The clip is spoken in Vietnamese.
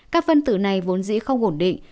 các phân tử này vốn dĩ không ổn định